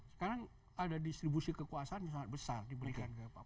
sekarang ada distribusi kekuasaan yang sangat besar diberikan ke papua